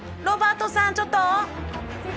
ロバートさんちょっと！